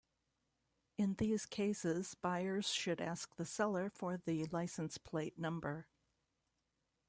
In these cases buyers should ask the seller for the license plate number.